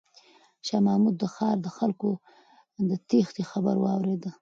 شاه محمود د ښار د خلکو د تیښتې خبر واورېد.